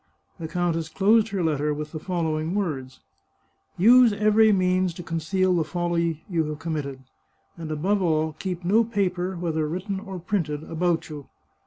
The countess closed her letter with the following words :" Use every means to conceal the folly you have committed, and, above all, keep no paper, whether written or printed, about you